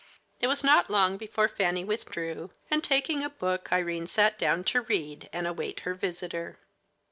It was not long before Fanny withdrew, and, taking a book, Irene sat down to read, and await her visitor.